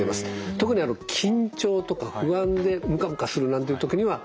特に緊張とか不安でムカムカするなんていう時には有効です。